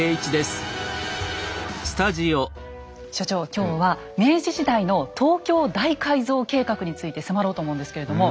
今日は明治時代の東京大改造計画について迫ろうと思うんですけれども。